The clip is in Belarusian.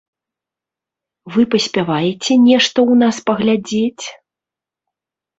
Вы паспяваеце нешта ў нас паглядзець?